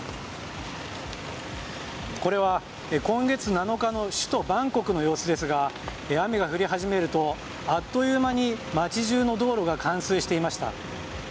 これは、今月７日の首都バンコクの様子ですが雨が降り始めるとあっという間に街中の道路が冠水していました。